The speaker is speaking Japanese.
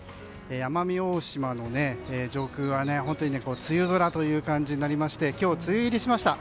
奄美大島の上空は梅雨空という感じになりまして今日、梅雨入りしました。